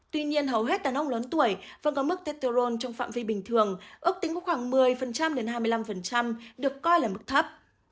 tuy nhiên hầu hết đàn ông lớn tuổi vẫn có mức teterone trong phạm vi bình thường ước tính có khoảng một mươi đến hai mươi năm được coi là mức thấp